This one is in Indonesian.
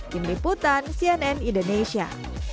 kim liputan cnn indonesia